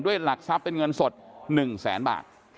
หลักทรัพย์เป็นเงินสด๑แสนบาท